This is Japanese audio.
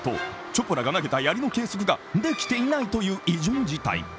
なんと、チョプラが投げたやりの計測ができていないという異常事態。